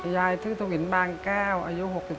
ยายซึ้งสุหินบางแก้วอายุ๖๓ปี